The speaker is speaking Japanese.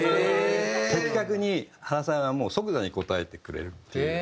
的確に原さんがもう即座に答えてくれるっていう。